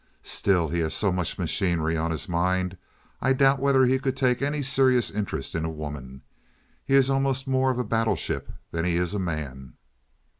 "Still, he has so much machinery on his mind I doubt whether he could take any serious interest in a woman. He is almost more of a battle ship than he is a man."